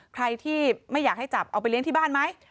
ใครที่ไม่อยากให้จับเอาไปเลี้ยงที่บ้านไหม